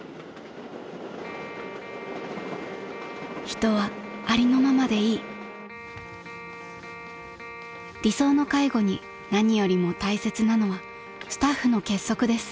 ［人はありのままでいい］［理想の介護に何よりも大切なのはスタッフの結束です］